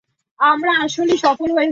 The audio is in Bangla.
আমরা আসলেই সফল হয়েছি!